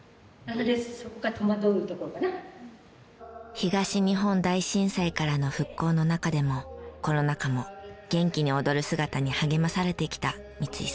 東日本大震災からの復興の中でもコロナ禍も元気に踊る姿に励まされてきた三井さん。